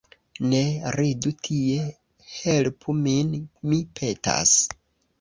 Ne ridu tie, helpu min, mi petas!